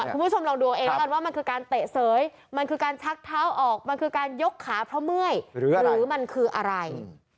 คุณผู้ชมลองดูเอาเองแล้วกันว่ามันคือการเตะเสยมันคือการชักเท้าออกมันคือการยกขาเพราะเมื่อยหรือมันคืออะไร